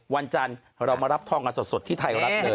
วันจันทร์เรามารับทองกันสดที่ไทยรัฐเลย